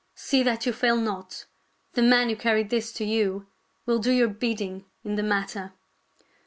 See that you fail not. The men who carry this to you will do your bidding in the matter."